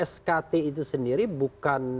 skt itu sendiri bukan